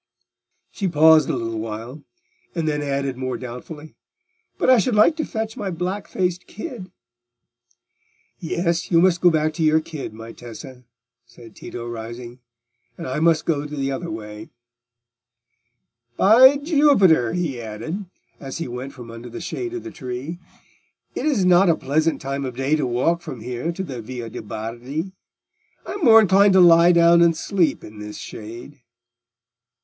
She paused a little while, and then added more doubtfully, "But I should like to fetch my black faced kid." "Yes, you must go back to your kid, my Tessa," said Tito, rising, "and I must go the other way." "By Jupiter!" he added, as he went from under the shade of the tree, "it is not a pleasant time of day to walk from here to the Via de' Bardi; I am more inclined to lie down and sleep in this shade."